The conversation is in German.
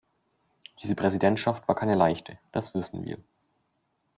Diese Präsidentschaft war keine leichte, das wissen wir.